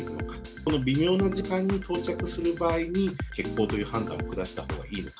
この微妙な時間に到着する場合に、欠航という判断を下したほうがいいのか。